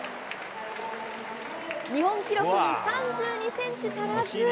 日本記録に３２センチ足らず。